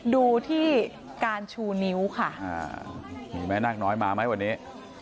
ดูที่การชูนิ้วค่ะมีแม่นาคน้อยมาไหมวันนี้